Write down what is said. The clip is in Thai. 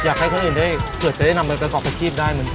อยากให้คนอื่นเผื่อจะได้นำมันไปก่อประชีพได้